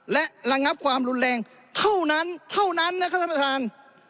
และระงับความรุนแรงเท่านั้นเท่านั้นนะครับท่านประธาน